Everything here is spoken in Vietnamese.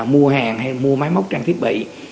mua hàng hay mua máy móc trang thiết bị